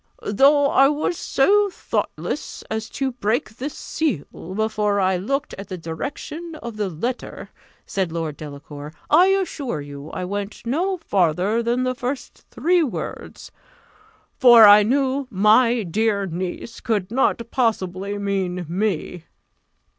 "Though I was so thoughtless as to break the seal before I looked at the direction of the letter," said Lord Delacour, "I assure you I went no farther than the first three words; for I knew 'my dear niece' could not possibly mean me."